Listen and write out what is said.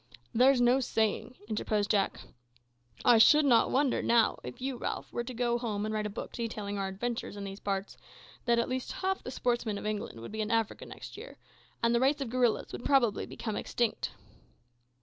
"There's no saying," interposed Jack. "I should not wonder, now, if you, Ralph, were to go home and write a book detailing our adventures in these parts, that at least half the sportsmen of England would be in Africa next year, and the race of gorillas would probably become extinct."